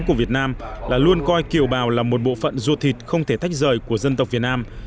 của việt nam là luôn coi kiều bào là một bộ phận du thịt không thể tách rời của dân tộc việt nam